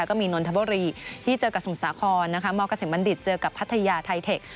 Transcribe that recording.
แล้วก็มีนนทบรีที่เจอกับสมศาครมกษิบัณฑิษฐ์เจอกับพัทยาไทเทค